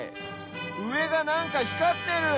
うえがなんかひかってる！